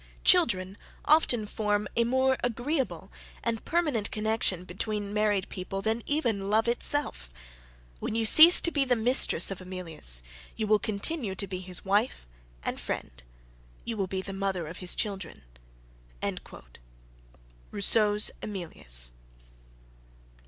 Children often form a more agreeable and permanent connexion between married people than even love itself. When you cease to be the mistress of Emilius, you will continue to be his wife and friend; you will be the mother of his children." (Rousseau's Emilius.)